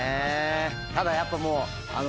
ただやっぱもうあの。